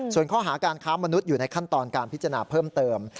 ส่วนข้อหาการค้ามนุษย์อยู่ในขั้นตอนการพิจารณาเพิ่มเติม